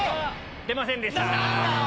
出ませんでした。